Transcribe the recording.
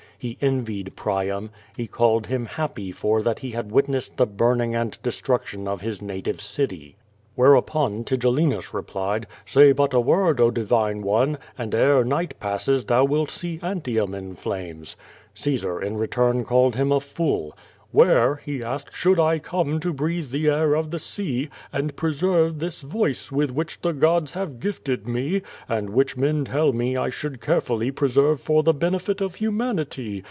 He envied Priam. He called him happy for that he had M'itnessed the burning and destruction of his native city. Wliereupon Tigel linus replied: "Say but the word, oh divine one, and ere night passes thou wilt see Aijtium in flames." Caesar in re turn called him a fool. "Where," he asked, "should I come to breathe the air of the sea, and preserve this voice with which the gods have gifted me, and which men tell me I should carefully preserve for the benefit of humanity?